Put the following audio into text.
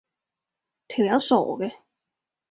條友傻嘅